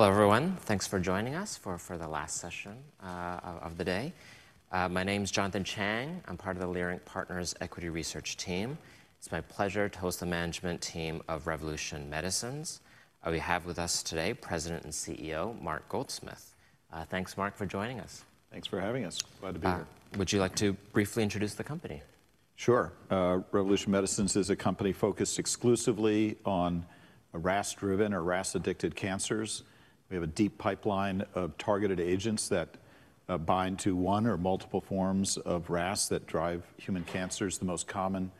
Hello, everyone. Thanks for joining us for the last session of the day. My name is Jonathan Chang. I'm part of the Leerink Partners Equity Research Team. It's my pleasure to host the management team of Revolution Medicines. We have with us today President and CEO Mark Goldsmith. Thanks, Mark, for joining us. Thanks for having us. Glad to be here. Would you like to briefly introduce the company? Sure. Revolution Medicines is a company focused exclusively on RAS-driven, or RAS-addicted cancers. We have a deep pipeline of targeted agents that bind to one or multiple forms of RAS that drive human cancers. The most common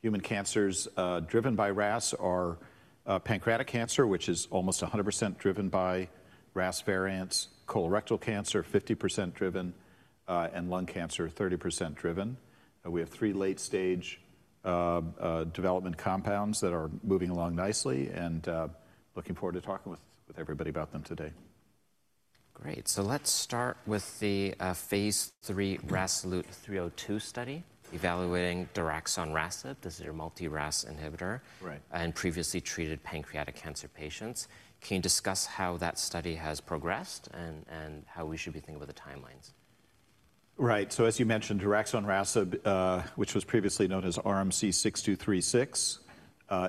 human cancers driven by RAS are pancreatic cancer, which is almost 100% driven by RAS variants; colorectal cancer, 50% driven; and lung cancer, 30% driven. We have three late-stage development compounds that are moving along nicely, and I'm looking forward to talking with everybody about them today. Great. Let's start with the phase III RAS-Loot 302 study evaluating Daraxonrasib. This is your multi-RAS inhibitor. Right. Previously treated pancreatic cancer patients. Can you discuss how that study has progressed and how we should be thinking about the timelines? Right. As you mentioned, Daraxonrasib, which was previously known as RMC-6236,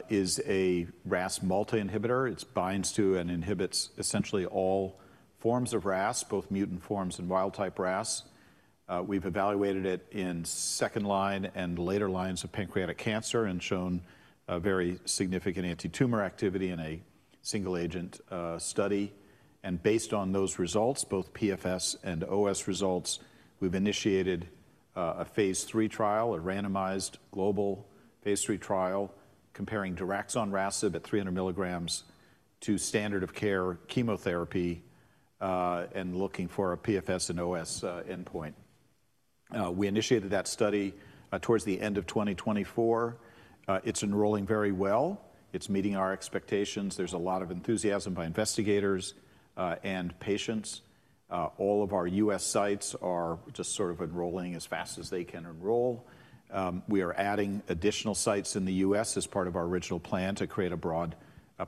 is a RAS multi-inhibitor. It binds to and inhibits essentially all forms of RAS, both mutant forms and wild-type RAS. We've evaluated it in second-line and later lines of pancreatic cancer and shown very significant anti-tumor activity in a single-agent study. Based on those results, both PFS and OS results, we've initiated a phase III trial, a randomized global phase III trial comparing Daraxonrasib at 300 milligrams to standard-of-care chemotherapy and looking for a PFS and OS endpoint. We initiated that study towards the end of 2024. It's enrolling very well. It's meeting our expectations. There's a lot of enthusiasm by investigators and patients. All of our U.S. sites are just sort of enrolling as fast as they can enroll. We are adding additional sites in the U.S. As part of our original plan to create a broad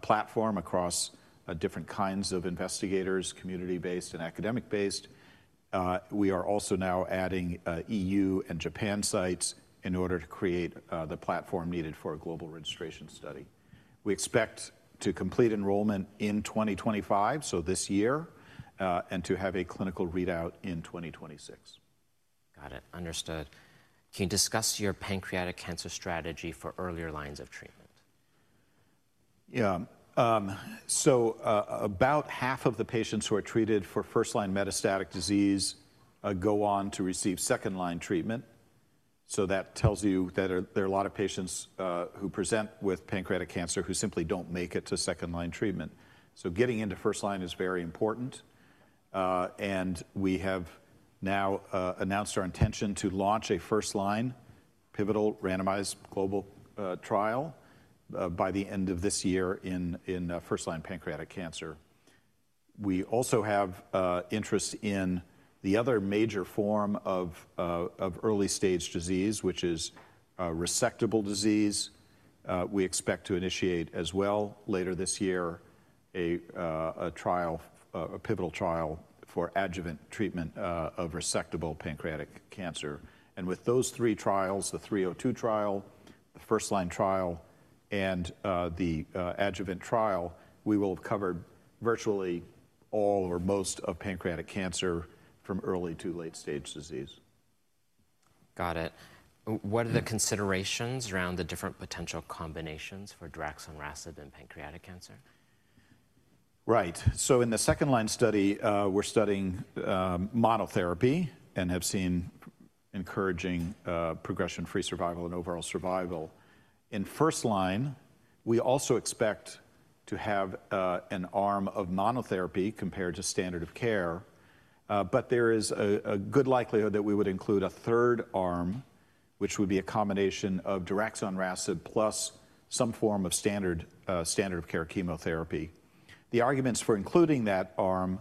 platform across different kinds of investigators, community-based and academic-based. We are also now adding European Union and Japan sites in order to create the platform needed for a global registration study. We expect to complete enrollment in 2025, so this year, and to have a clinical readout in 2026. Got it. Understood. Can you discuss your pancreatic cancer strategy for earlier lines of treatment? Yeah. About half of the patients who are treated for first-line metastatic disease go on to receive second-line treatment. That tells you that there are a lot of patients who present with pancreatic cancer who simply do not make it to second-line treatment. Getting into first-line is very important. We have now announced our intention to launch a first-line pivotal randomized global trial by the end of this year in first-line pancreatic cancer. We also have interest in the other major form of early-stage disease, which is resectable disease. We expect to initiate as well later this year a trial, a pivotal trial for adjuvant treatment of resectable pancreatic cancer. With those three trials, the 302 trial, the first-line trial, and the adjuvant trial, we will have covered virtually all or most of pancreatic cancer from early to late-stage disease. Got it. What are the considerations around the different potential combinations for Daraxonrasib in pancreatic cancer? Right. In the second-line study, we're studying monotherapy and have seen encouraging progression-free survival and overall survival. In first-line, we also expect to have an arm of monotherapy compared to standard of care. There is a good likelihood that we would include a third arm, which would be a combination of Daraxonrasib plus some form of standard-of-care chemotherapy. The arguments for including that arm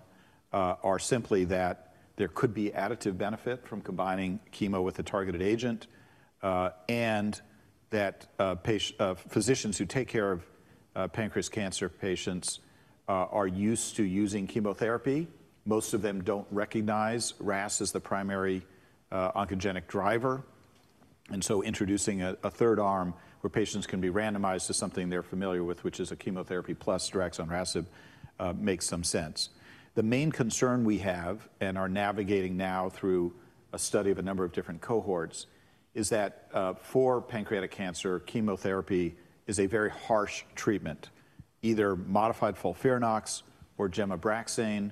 are simply that there could be additive benefit from combining chemo with a targeted agent and that physicians who take care of pancreas cancer patients are used to using chemotherapy. Most of them don't recognize RAS as the primary oncogenic driver. Introducing a third arm where patients can be randomized to something they're familiar with, which is a chemotherapy plus Daraxonrasib, makes some sense. The main concern we have and are navigating now through a study of a number of different cohorts is that for pancreatic cancer, chemotherapy is a very harsh treatment. Either modified FOLFIRINOX or gemabraxine,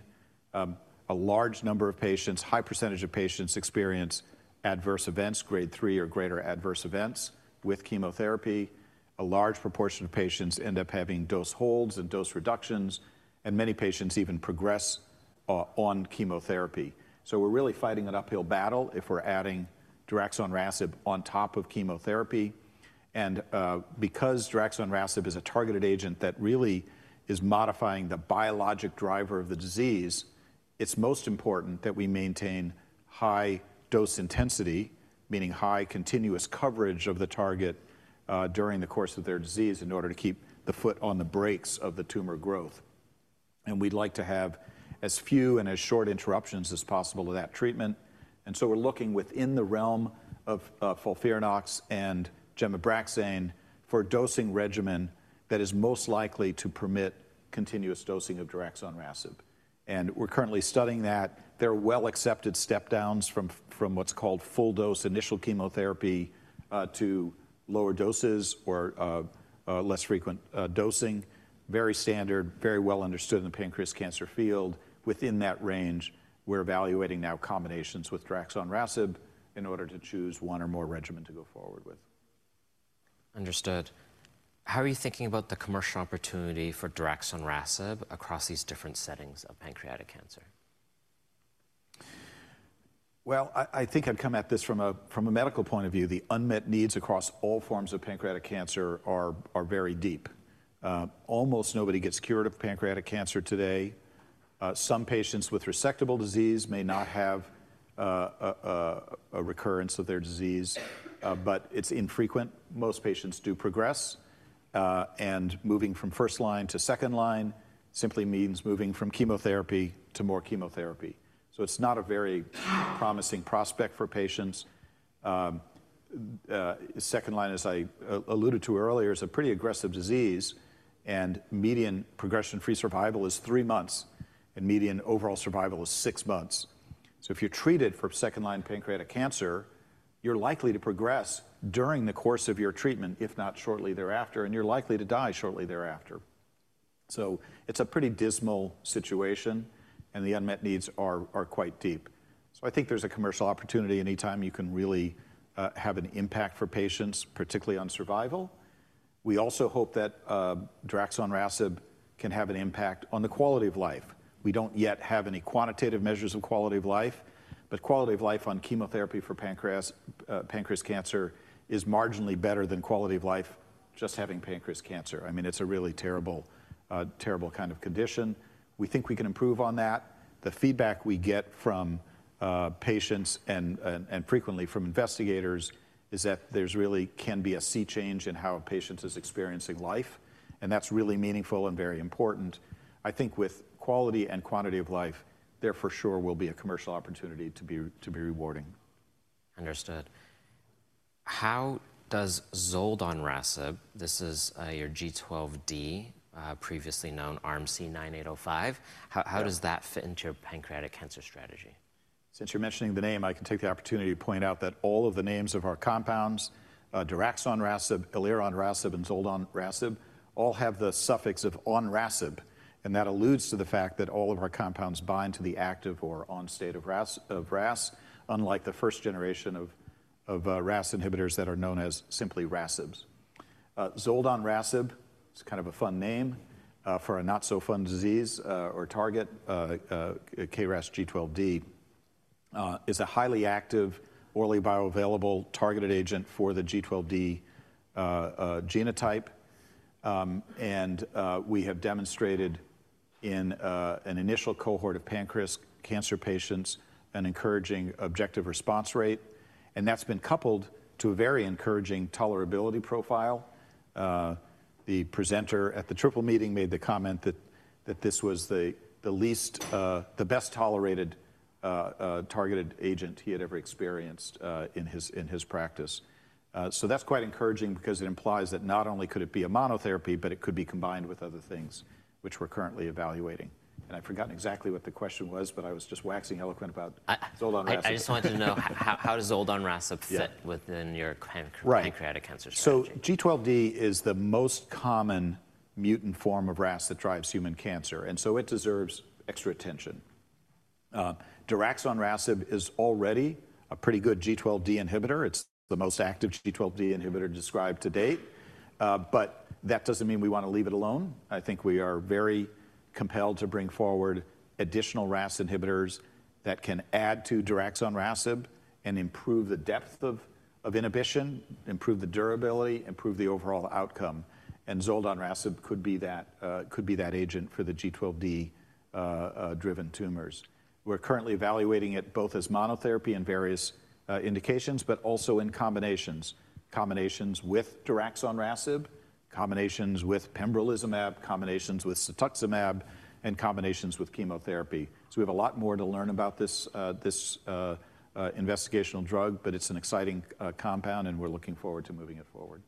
a large number of patients, a high percentage of patients experience adverse events, grade III or greater adverse events with chemotherapy. A large proportion of patients end up having dose holds and dose reductions, and many patients even progress on chemotherapy. We are really fighting an uphill battle if we are adding Daraxonrasib on top of chemotherapy. Because Daraxonrasib is a targeted agent that really is modifying the biologic driver of the disease, it is most important that we maintain high dose intensity, meaning high continuous coverage of the target during the course of their disease in order to keep the foot on the brakes of the tumor growth. We'd like to have as few and as short interruptions as possible of that treatment. We are looking within the realm of FOLFIRINOX and gemabraxine for a dosing regimen that is most likely to permit continuous dosing of Daraxonrasib. We are currently studying that. There are well-accepted step-downs from what is called full-dose initial chemotherapy to lower doses or less frequent dosing. Very standard, very well-understood in the pancreas cancer field. Within that range, we are evaluating now combinations with Daraxonrasib in order to choose one or more regimen to go forward with. Understood. How are you thinking about the commercial opportunity for Daraxonrasib across these different settings of pancreatic cancer? I think I've come at this from a medical point of view. The unmet needs across all forms of pancreatic cancer are very deep. Almost nobody gets cured of pancreatic cancer today. Some patients with resectable disease may not have a recurrence of their disease, but it's infrequent. Most patients do progress. Moving from first-line to second-line simply means moving from chemotherapy to more chemotherapy. It is not a very promising prospect for patients. Second-line, as I alluded to earlier, is a pretty aggressive disease, and median progression-free survival is three months, and median overall survival is six months. If you're treated for second-line pancreatic cancer, you're likely to progress during the course of your treatment, if not shortly thereafter, and you're likely to die shortly thereafter. It is a pretty dismal situation, and the unmet needs are quite deep. I think there's a commercial opportunity anytime you can really have an impact for patients, particularly on survival. We also hope that Daraxonrasib can have an impact on the quality of life. We don't yet have any quantitative measures of quality of life, but quality of life on chemotherapy for pancreas cancer is marginally better than quality of life just having pancreas cancer. I mean, it's a really terrible, terrible kind of condition. We think we can improve on that. The feedback we get from patients and frequently from investigators is that there really can be a sea change in how a patient is experiencing life, and that's really meaningful and very important. I think with quality and quantity of life, there for sure will be a commercial opportunity to be rewarding. Understood. How does Zoldonrasib, this is your G12D, previously known RMC-9805, how does that fit into your pancreatic cancer strategy? Since you're mentioning the name, I can take the opportunity to point out that all of the names of our compounds, Daraxonrasib, Eleronrasib, and Zoldonrasib, all have the suffix of onrasib. That alludes to the fact that all of our compounds bind to the active or on state of RAS, unlike the first generation of RAS inhibitors that are known as simply RASibs. Zoldonrasib, it's kind of a fun name for a not-so-fun disease or target, KRAS G12D, is a highly active, orally bioavailable targeted agent for the G12D genotype. We have demonstrated in an initial cohort of pancreas cancer patients an encouraging objective response rate. That has been coupled to a very encouraging tolerability profile. The presenter at the triple meeting made the comment that this was the least, the best tolerated targeted agent he had ever experienced in his practice. That is quite encouraging because it implies that not only could it be a monotherapy, but it could be combined with other things, which we are currently evaluating. I have forgotten exactly what the question was, but I was just waxing eloquent about Zoldonrasib. I just wanted to know, how does Zoldonrasib fit within your pancreatic cancer strategy? Right. G12D is the most common mutant form of RAS that drives human cancer, and it deserves extra attention. Daraxonrasib is already a pretty good G12D inhibitor. It's the most active G12D inhibitor described to date. That doesn't mean we want to leave it alone. I think we are very compelled to bring forward additional RAS inhibitors that can add to Daraxonrasib and improve the depth of inhibition, improve the durability, improve the overall outcome. Zoldonrasib could be that agent for the G12D-driven tumors. We're currently evaluating it both as monotherapy in various indications, but also in combinations, combinations with Daraxonrasib, combinations with pembrolizumab, combinations with cetuximab, and combinations with chemotherapy. We have a lot more to learn about this investigational drug, but it's an exciting compound, and we're looking forward to moving it forward.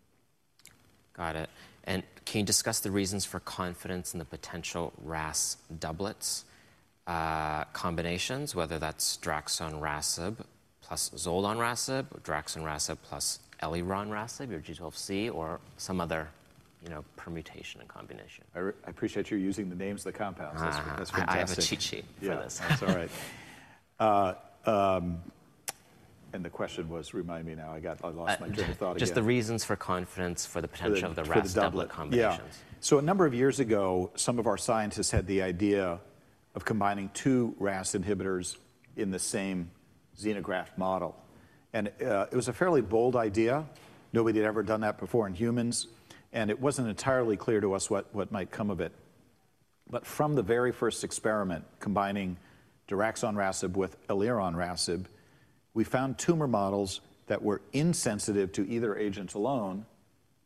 Got it. Can you discuss the reasons for confidence in the potential RAS doublets combinations, whether that's Daraxonrasib plus Zoldonrasib, Daraxonrasib plus Eleronrasib, your G12C, or some other permutation and combination? I appreciate you using the names of the compounds. That's fantastic. I have a cheat sheet for this. Yeah, that's all right. The question was, remind me now. I lost my train of thought again. Just the reasons for confidence for the potential of the RAS doublet combinations. Yeah. A number of years ago, some of our scientists had the idea of combining two RAS inhibitors in the same xenograft model. It was a fairly bold idea. Nobody had ever done that before in humans. It was not entirely clear to us what might come of it. From the very first experiment combining Daraxonrasib with Eleronrasib, we found tumor models that were insensitive to either agent alone,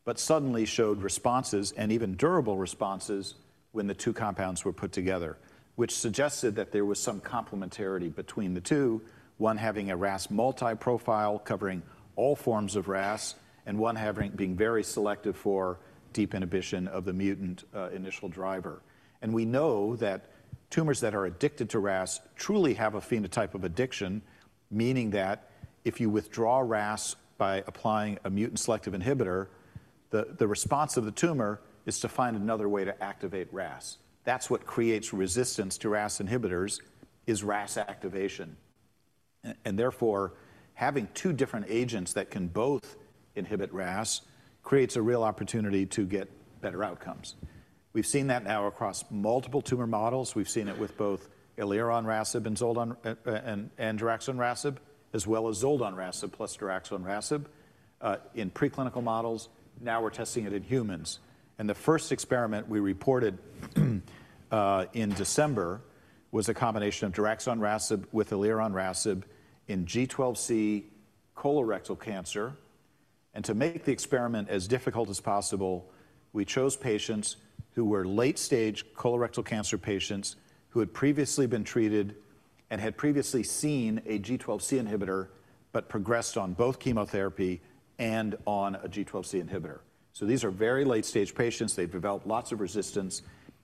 but suddenly showed responses and even durable responses when the two compounds were put together, which suggested that there was some complementarity between the two, one having a RAS multi-profile covering all forms of RAS and one being very selective for deep inhibition of the mutant initial driver. We know that tumors that are addicted to RAS truly have a phenotype of addiction, meaning that if you withdraw RAS by applying a mutant selective inhibitor, the response of the tumor is to find another way to activate RAS. That is what creates resistance to RAS inhibitors, is RAS activation. Therefore, having two different agents that can both inhibit RAS creates a real opportunity to get better outcomes. We have seen that now across multiple tumor models. We have seen it with both Eleronrasib and Daraxonrasib, as well as Zoldonrasib plus Daraxonrasib in preclinical models. Now we are testing it in humans. The first experiment we reported in December was a combination of Daraxonrasib with Eleronrasib in G12C colorectal cancer. To make the experiment as difficult as possible, we chose patients who were late-stage colorectal cancer patients who had previously been treated and had previously seen a G12C inhibitor but progressed on both chemotherapy and on a G12C inhibitor. These are very late-stage patients. They've developed lots of resistance.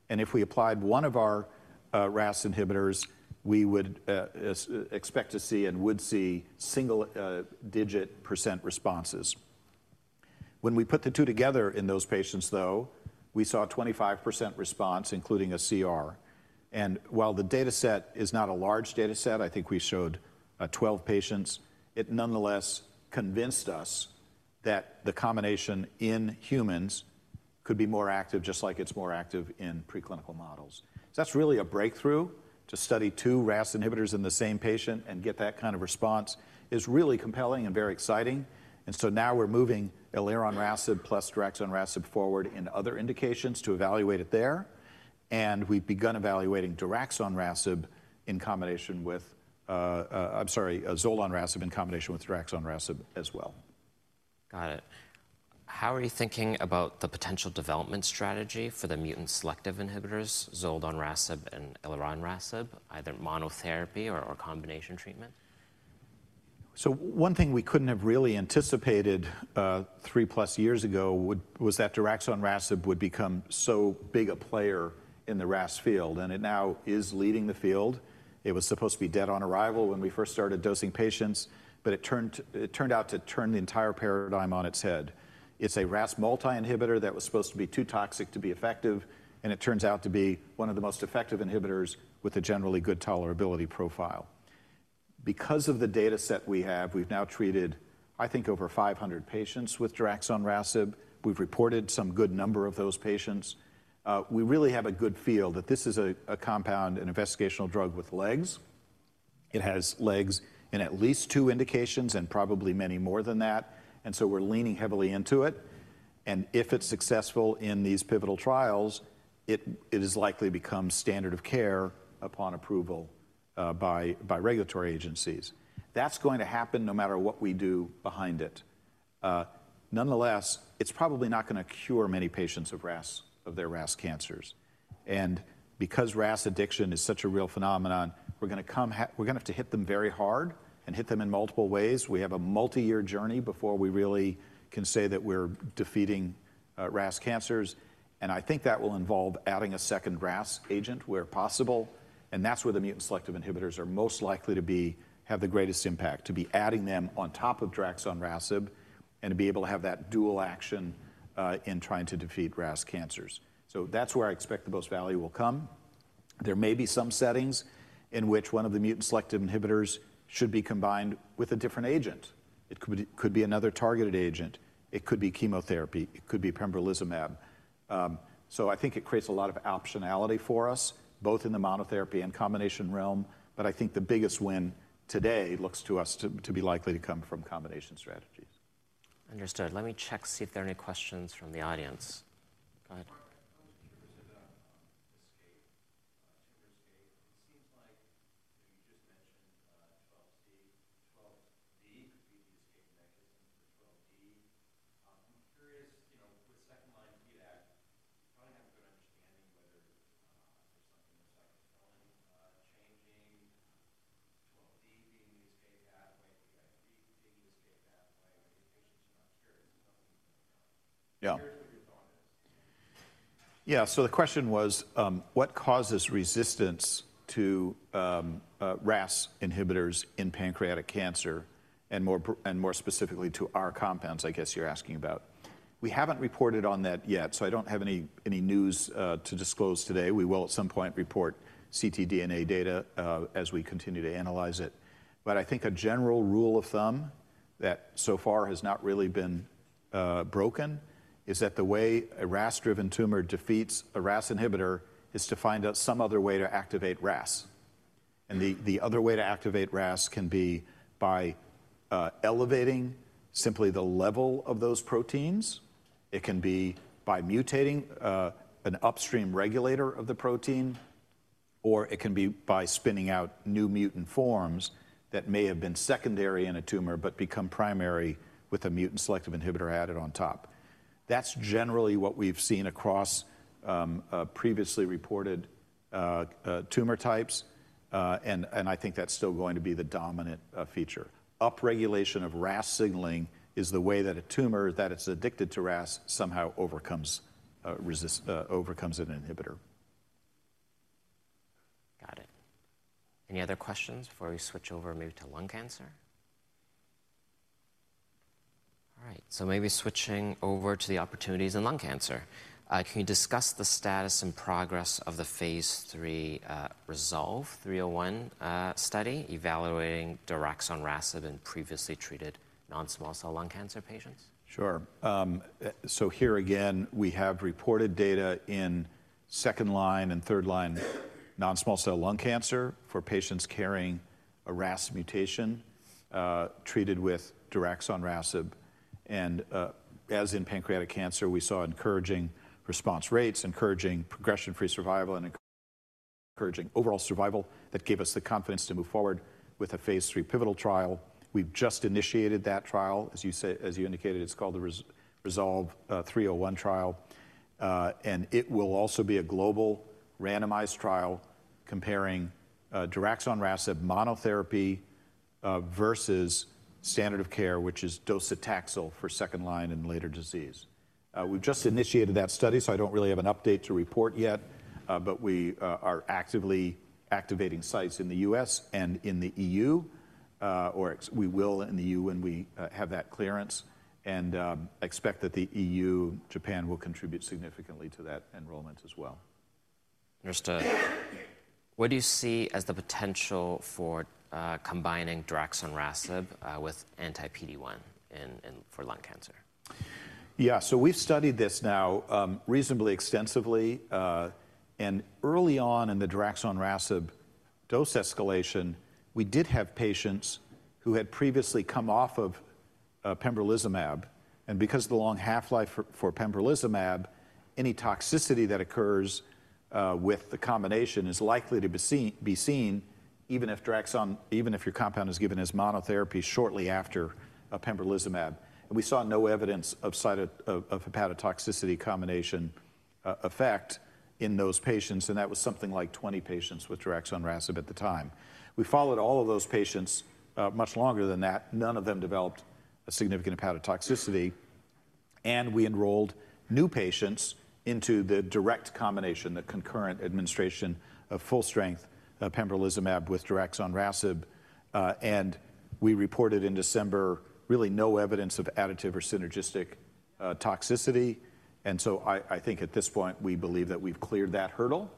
If we applied one of our RAS inhibitors, we would expect to see and would see single-digit % responses. When we put the two together in those patients, though, we saw a 25% response, including a CR. While the dataset is not a large dataset, I think we showed 12 patients, it nonetheless convinced us that the combination in humans could be more active, just like it's more active in preclinical models. That's really a breakthrough to study two RAS inhibitors in the same patient and get that kind of response. It is really compelling and very exciting. Now we're moving Eleronrasib plus Daraxonrasib forward in other indications to evaluate it there. We've begun evaluating Daraxonrasib in combination with, I'm sorry, Zoldonrasib in combination with Daraxonrasib as well. Got it. How are you thinking about the potential development strategy for the mutant selective inhibitors, Zoldonrasib and Eleronrasib, either monotherapy or combination treatment? One thing we couldn't have really anticipated three-plus years ago was that Daraxonrasib would become so big a player in the RAS field. It now is leading the field. It was supposed to be dead on arrival when we first started dosing patients, but it turned out to turn the entire paradigm on its head. It's a RAS multi-inhibitor that was supposed to be too toxic to be effective, and it turns out to be one of the most effective inhibitors with a generally good tolerability profile. Because of the dataset we have, we've now treated, I think, over 500 patients with Daraxonrasib. We've reported some good number of those patients. We really have a good feel that this is a compound, an investigational drug with legs. It has legs in at least two indications and probably many more than that. We're leaning heavily into it. If it's successful in these pivotal trials, it is likely to become standard of care upon approval by regulatory agencies. That's going to happen no matter what we do behind it. Nonetheless, it's probably not going to cure many patients of their RAS cancers. Because RAS addiction is such a real phenomenon, we're going to have to hit them very hard and hit them in multiple ways. We have a multi-year journey before we really can say that we're defeating RAS cancers. I think that will involve adding a second RAS agent where possible. That's where the mutant selective inhibitors are most likely to have the greatest impact, to be adding them on top of Daraxonrasib and to be able to have that dual action in trying to defeat RAS cancers. That's where I expect the most value will come. There may be some settings in which one of the mutant selective inhibitors should be combined with a different agent. It could be another targeted agent. It could be chemotherapy. It could be pembrolizumab. I think it creates a lot of optionality for us, both in the monotherapy and combination realm. I think the biggest win today looks to us to be likely to come from combination strategies. Understood. Let me check to see if there are any questions from the audience. Go ahead. Yeah. Yeah. The question was, what causes resistance to RAS inhibitors in pancreatic cancer, and more specifically to our compounds, I guess you're asking about? We haven't reported on that yet, so I don't have any news to disclose today. We will at some point report CT DNA data as we continue to analyze it. I think a general rule of thumb that so far has not really been broken is that the way a RAS-driven tumor defeats a RAS inhibitor is to find out some other way to activate RAS. The other way to activate RAS can be by elevating simply the level of those proteins. It can be by mutating an upstream regulator of the protein, or it can be by spinning out new mutant forms that may have been secondary in a tumor but become primary with a mutant selective inhibitor added on top. That's generally what we've seen across previously reported tumor types. I think that's still going to be the dominant feature. Upregulation of RAS signaling is the way that a tumor that is addicted to RAS somehow overcomes an inhibitor. Got it. Any other questions before we switch over and move to lung cancer? All right. Maybe switching over to the opportunities in lung cancer. Can you discuss the status and progress of the phase III Resolve 301 study evaluating Daraxonrasib in previously treated non-small cell lung cancer patients? Sure. Here again, we have reported data in second-line and third-line non-small cell lung cancer for patients carrying a RAS mutation treated with Daraxonrasib. As in pancreatic cancer, we saw encouraging response rates, encouraging progression-free survival, and encouraging overall survival that gave us the confidence to move forward with a phase III pivotal trial. We have just initiated that trial. As you indicated, it is called the Resolve 301 trial. It will also be a global randomized trial comparing Daraxonrasib monotherapy versus standard of care, which is docetaxel for second-line and later disease. We have just initiated that study, so I do not really have an update to report yet. We are actively activating sites in the U.S. and in the European Union, or we will in the European Union when we have that clearance, and expect that the European Union and Japan will contribute significantly to that enrollment as well. Understood. What do you see as the potential for combining Daraxonrasib with anti-PD-1 for lung cancer? Yeah. We have studied this now reasonably extensively. Early on in the Daraxonrasib dose escalation, we did have patients who had previously come off of pembrolizumab. Because of the long half-life for pembrolizumab, any toxicity that occurs with the combination is likely to be seen even if your compound is given as monotherapy shortly after pembrolizumab. We saw no evidence of hepatotoxicity combination effect in those patients. That was something like 20 patients with Daraxonrasib at the time. We followed all of those patients much longer than that. None of them developed a significant hepatotoxicity. We enrolled new patients into the direct combination, the concurrent administration of full-strength pembrolizumab with Daraxonrasib. We reported in December really no evidence of additive or synergistic toxicity. I think at this point, we believe that we have cleared that hurdle.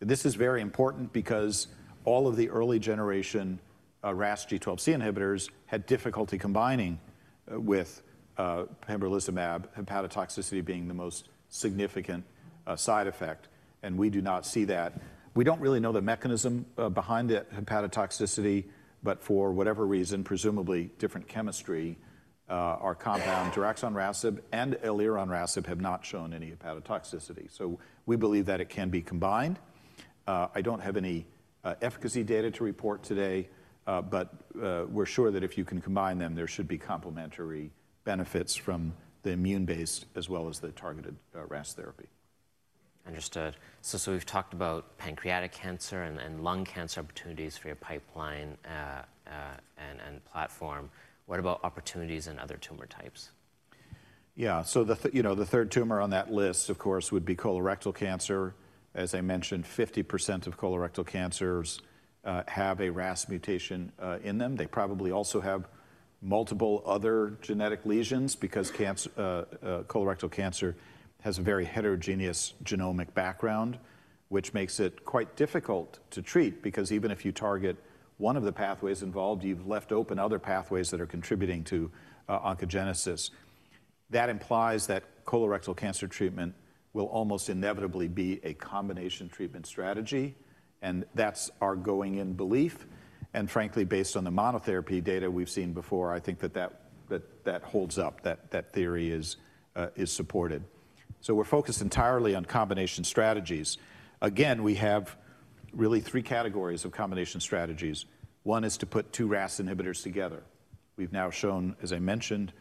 This is very important because all of the early-generation RAS G12C inhibitors had difficulty combining with pembrolizumab, hepatotoxicity being the most significant side effect. We do not see that. We do not really know the mechanism behind the hepatotoxicity, but for whatever reason, presumably different chemistry, our compound Daraxonrasib and Eleronrasib have not shown any hepatotoxicity. We believe that it can be combined. I do not have any efficacy data to report today, but we are sure that if you can combine them, there should be complementary benefits from the immune-based as well as the targeted RAS therapy. Understood. We've talked about pancreatic cancer and lung cancer opportunities for your pipeline and platform. What about opportunities in other tumor types? Yeah. The third tumor on that list, of course, would be colorectal cancer. As I mentioned, 50% of colorectal cancers have a RAS mutation in them. They probably also have multiple other genetic lesions because colorectal cancer has a very heterogeneous genomic background, which makes it quite difficult to treat because even if you target one of the pathways involved, you've left open other pathways that are contributing to oncogenesis. That implies that colorectal cancer treatment will almost inevitably be a combination treatment strategy. That's our going-in belief. Frankly, based on the monotherapy data we've seen before, I think that that holds up, that theory is supported. We're focused entirely on combination strategies. Again, we have really three categories of combination strategies. One is to put two RAS inhibitors together. We've now shown, as I mentioned,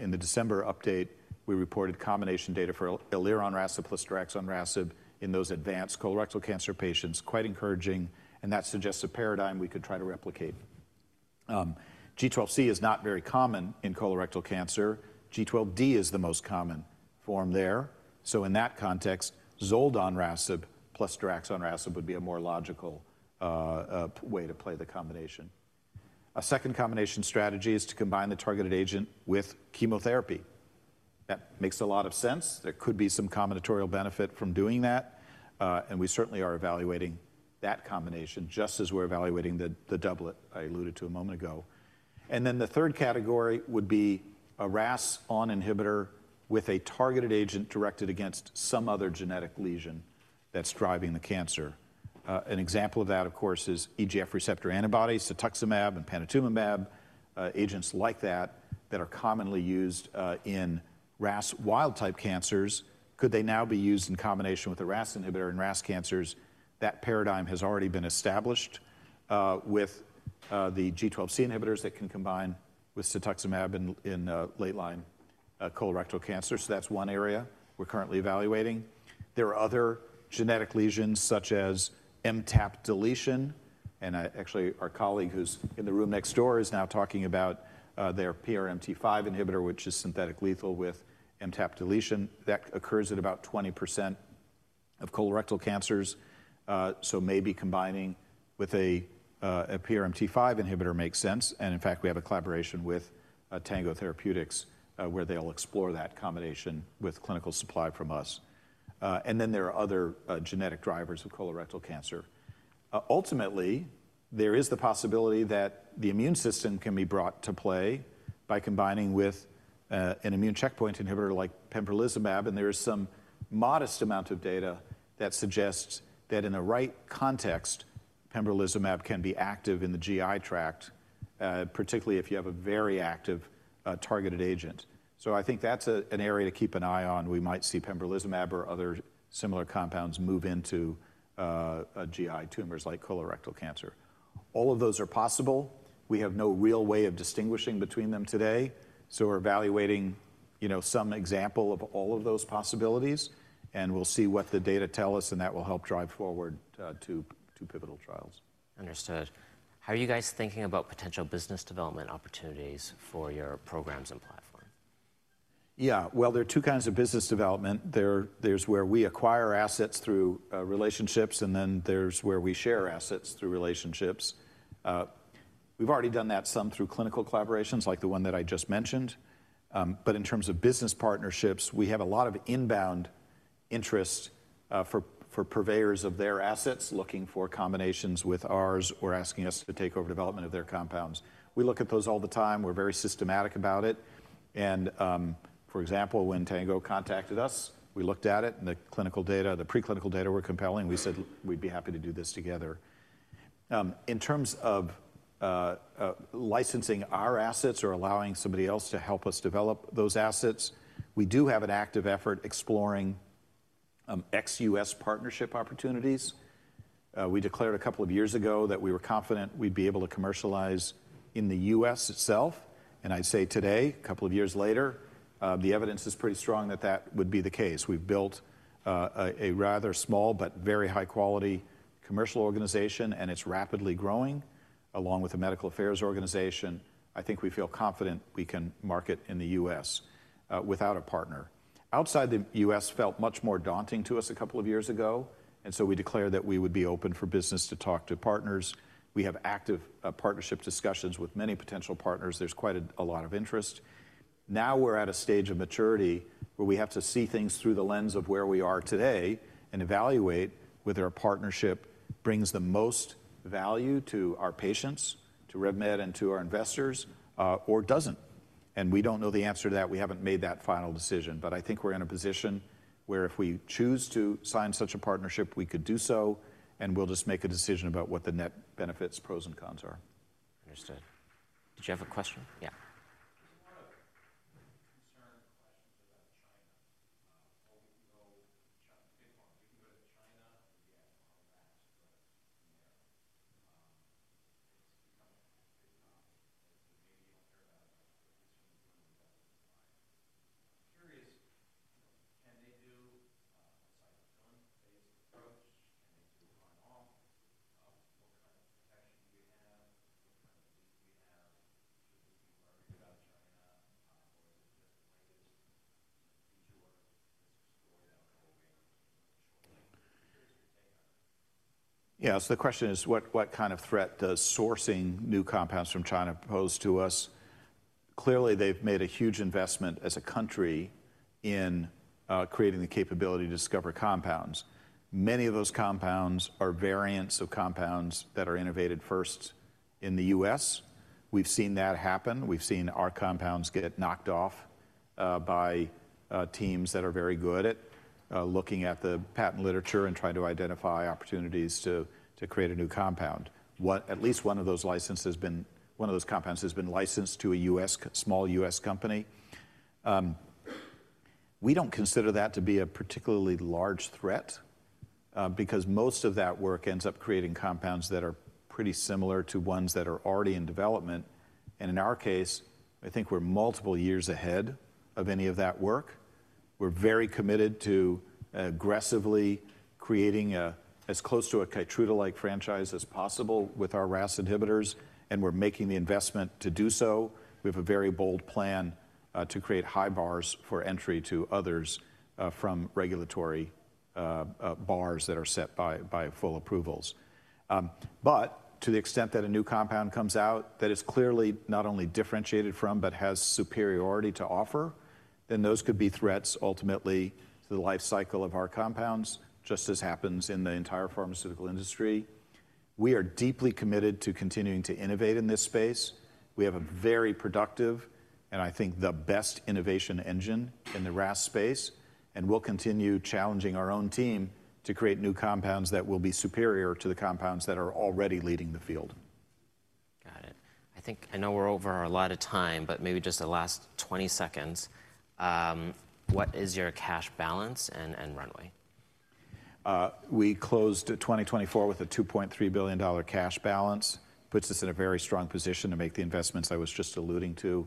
in the December update, we reported combination data for Eleronrasib plus Daraxonrasib in those advanced colorectal cancer patients. Quite encouraging. That suggests a paradigm we could try to replicate. G12C is not very common in colorectal cancer. G12D is the most common form there. In that context, Zoldonrasib plus Daraxonrasib would be a more logical way to play the combination. A second combination strategy is to combine the targeted agent with chemotherapy. That makes a lot of sense. There could be some combinatorial benefit from doing that. We certainly are evaluating that combination just as we're evaluating the doublet I alluded to a moment ago. The third category would be a RAS(ON) inhibitor with a targeted agent directed against some other genetic lesion that's driving the cancer. An example of that, of course, is EGF receptor antibodies, cetuximab and panitumumab, agents like that that are commonly used in RAS wild-type cancers. Could they now be used in combination with a RAS inhibitor in RAS cancers? That paradigm has already been established with the G12C inhibitors that can combine with cetuximab in late-line colorectal cancer. That is one area we are currently evaluating. There are other genetic lesions such as MTAP deletion. Actually, our colleague who is in the room next door is now talking about their PRMT5 inhibitor, which is synthetic lethal with MTAP deletion. That occurs at about 20% of colorectal cancers. Maybe combining with a PRMT5 inhibitor makes sense. In fact, we have a collaboration with Tango Therapeutics where they will explore that combination with clinical supply from us. There are other genetic drivers of colorectal cancer. Ultimately, there is the possibility that the immune system can be brought to play by combining with an immune checkpoint inhibitor like pembrolizumab. There is some modest amount of data that suggests that in the right context, pembrolizumab can be active in the GI tract, particularly if you have a very active targeted agent. I think that is an area to keep an eye on. We might see pembrolizumab or other similar compounds move into GI tumors like colorectal cancer. All of those are possible. We have no real way of distinguishing between them today. We are evaluating some example of all of those possibilities. We will see what the data tell us. That will help drive forward to pivotal trials. Understood. How are you guys thinking about potential business development opportunities for your programs and platform? Yeah. There are two kinds of business development. There's where we acquire assets through relationships. And there's where we share assets through relationships. We've already done that some through clinical collaborations like the one that I just mentioned. In terms of business partnerships, we have a lot of inbound interest for purveyors of their assets looking for combinations with ours or asking us to take over development of their compounds. We look at those all the time. We're very systematic about it. For example, when Tango contacted us, we looked at it. The clinical data, the preclinical data were compelling. We said we'd be happy to do this together. In terms of licensing our assets or allowing somebody else to help us develop those assets, we do have an active effort exploring ex-US partnership opportunities. We declared a couple of years ago that we were confident we'd be able to commercialize in the U.S. itself. I'd say today, a couple of years later, the evidence is pretty strong that that would be the case. We've built a rather small but very high-quality commercial organization. It's rapidly growing along with a medical affairs organization. I think we feel confident we can market in the U.S. without a partner. Outside the U.S. felt much more daunting to us a couple of years ago. We declared that we would be open for business to talk to partners. We have active partnership discussions with many potential partners. There's quite a lot of interest. Now we're at a stage of maturity where we have to see things through the lens of where we are today and evaluate whether our partnership brings the most value to our patients, to Revolution Medicines, and to our investors, or doesn't. We don't know the answer to that. We haven't made that final decision. I think we're in a position where if we choose to sign such a partnership, we could do so. We'll just make a decision about what the net benefits, pros, and cons are. Understood. Did you have a question? Yeah. Yeah. The question is, what kind of threat does sourcing new compounds from China pose to us? Clearly, they've made a huge investment as a country in creating the capability to discover compounds. Many of those compounds are variants of compounds that are innovated first in the U.S. We've seen that happen. We've seen our compounds get knocked off by teams that are very good at looking at the patent literature and trying to identify opportunities to create a new compound. At least one of those compounds has been licensed to a small U.S. company. We don't consider that to be a particularly large threat because most of that work ends up creating compounds that are pretty similar to ones that are already in development. In our case, I think we're multiple years ahead of any of that work. We're very committed to aggressively creating as close to a Keytruda-like franchise as possible with our RAS inhibitors. We're making the investment to do so. We have a very bold plan to create high bars for entry to others from regulatory bars that are set by full approvals. To the extent that a new compound comes out that is clearly not only differentiated from but has superiority to offer, those could be threats ultimately to the life cycle of our compounds, just as happens in the entire pharmaceutical industry. We are deeply committed to continuing to innovate in this space. We have a very productive and I think the best innovation engine in the RAS space. We'll continue challenging our own team to create new compounds that will be superior to the compounds that are already leading the field. Got it. I think I know we're over a lot of time, but maybe just the last 20 seconds. What is your cash balance and runway? We closed 2024 with a $2.3 billion cash balance. It puts us in a very strong position to make the investments I was just alluding to.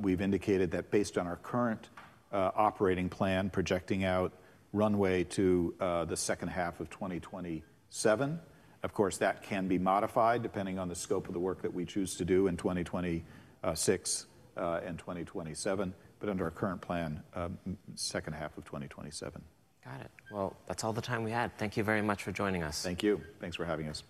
We've indicated that based on our current operating plan projecting out runway to the second half of 2027. Of course, that can be modified depending on the scope of the work that we choose to do in 2026 and 2027. Under our current plan, second half of 2027. Got it. That is all the time we had. Thank you very much for joining us. Thank you. Thanks for having us.